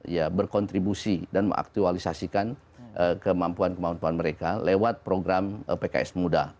ya berkontribusi dan mengaktualisasikan kemampuan kemampuan mereka lewat program pks muda